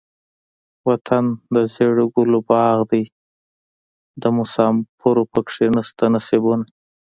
وطن دزيړو ګلو باغ دے دمسافرو پکښې نيشته نصيبونه